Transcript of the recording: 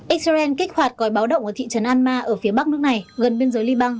israel kích hoạt còi báo động ở thị trấn alma ở phía bắc nước này gần biên giới liban